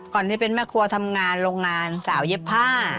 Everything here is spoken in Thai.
ที่เป็นแม่ครัวทำงานโรงงานสาวเย็บผ้า